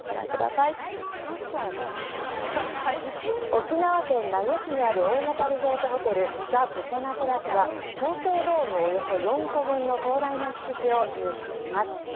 沖縄県名護市にある大型リゾートホテルザ・ブセナテラスは東京ドームおよそ４個分の広大な敷地を有しています。